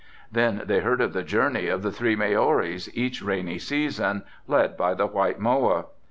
Then they heard of the journey of the three Maoris each rainy season, led by the white moa.